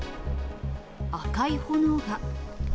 赤い炎が。